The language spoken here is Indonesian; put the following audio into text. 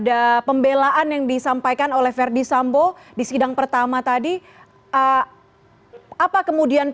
apa yang anda lakukan